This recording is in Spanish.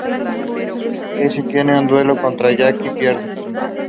Yusei tiene un Duelo contra Jack y pierde.